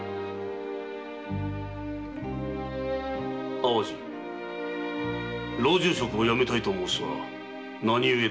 淡路老中職を辞めたいと申すは何故だ。